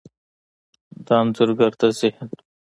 د انځورګر د ذهن،